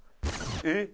えっ？